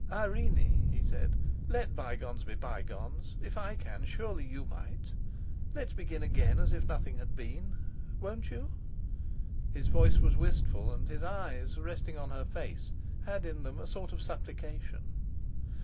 "Irene," he said, "let bygones be bygones. If I can, surely you might. Let's begin again, as if nothing had been. Won't you?" His voice was wistful, and his eyes, resting on her face, had in them a sort of supplication.